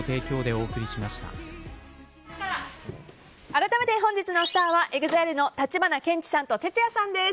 改めて、本日のスターはＥＸＩＬＥの橘ケンチさんとＴＥＴＳＵＹＡさんです。